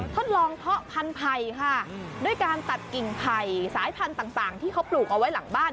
ทดลองเพาะพันธุ์ไผ่ค่ะด้วยการตัดกิ่งไผ่สายพันธุ์ต่างที่เขาปลูกเอาไว้หลังบ้าน